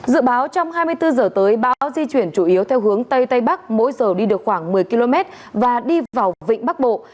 dự báo trong hai mươi bốn h tới bão di chuyển chủ yếu theo hướng tây tây bắc mỗi giờ đi được khoảng một mươi km và đi vào vịnh bắc bộ